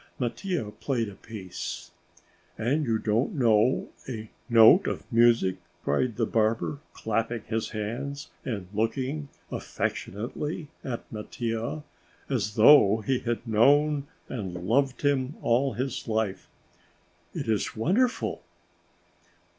Mattia played a piece. "And you don't know a note of music!" cried the barber, clapping his hands, and looking affectionately at Mattia as though he had known and loved him all his life. "It is wonderful!"